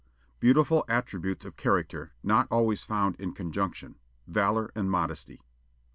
Beautiful attributes of character, not always found in conjunction; valor and modesty!